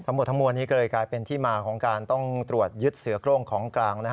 ทั้งหมดทั้งมวลนี้ก็เลยกลายเป็นที่มาของการต้องตรวจยึดเสือโครงของกลาง